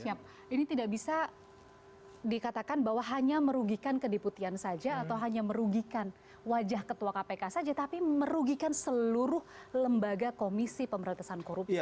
siap ini tidak bisa dikatakan bahwa hanya merugikan kediputian saja atau hanya merugikan wajah ketua kpk saja tapi merugikan seluruh lembaga komisi pemberantasan korupsi